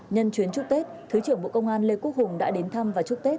nhân chuyến chúc tết thứ trưởng bộ công an lê quốc hùng đã đến thăm và chúc tết